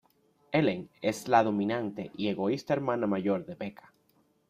Ellen es la dominante y egoísta hermana mayor de Becca.